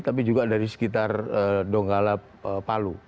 tapi juga dari sekitar donggala palu